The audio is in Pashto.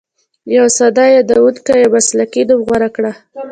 یو ساده، یادېدونکی او مسلکي نوم غوره کړه.